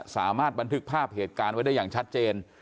สามารถบันทึกภาพเหตุการณ์ไว้ได้อย่างชัดเจน